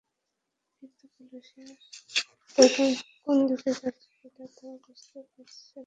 কিন্তু পুলিশের তদন্ত কোন দিকে যাচ্ছে, সেটা তাঁরা বুঝতে পারছেন না।